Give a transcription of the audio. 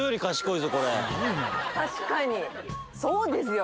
確かにそうですよ